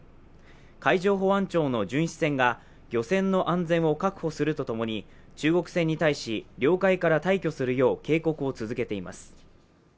海上保安庁の巡視船が漁船の安全を確保するとともに中国船に対し領海から退去するよう警告を続けています。